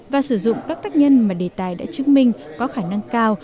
và sử dụng các tác nhân mà đề tài đã chứng minh có khả năng cao